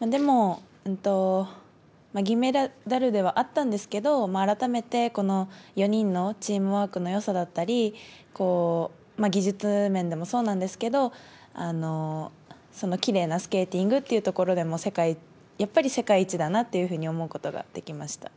でも、銀メダルではあったんですけど、改めてこの４人のチームワークのよさだったり、技術面でもそうなんですけど、そのきれいなスケーティングというところでも、世界、やっぱり世界一だなって思うことができました。